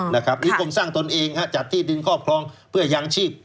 นิคมสร้างตนเองจัดที่ดินครอบครองเพื่อยางชีพ